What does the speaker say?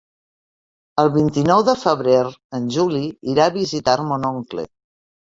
El vint-i-nou de febrer en Juli irà a visitar mon oncle.